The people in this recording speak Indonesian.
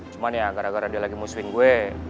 cuman ya gara gara dia lagi muswin gue